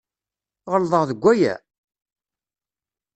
Ɣelḍeɣ deg waya?